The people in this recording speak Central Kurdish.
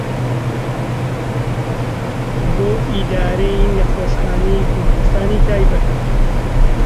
هەشت ئێسترمان لە فیشەک بار کرد